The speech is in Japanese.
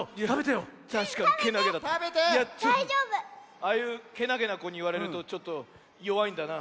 ああいうけなげなこにいわれるとちょっとよわいんだな。